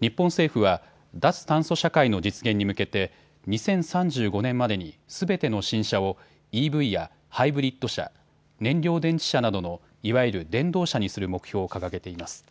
日本政府は脱炭素社会の実現に向けて２０３５年までにすべての新車をＥＶやハイブリッド車、燃料電池車などのいわゆる電動車にする目標を掲げています。